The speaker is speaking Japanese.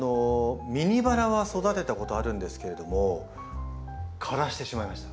ミニバラは育てたことあるんですけれども枯らしてしまいました。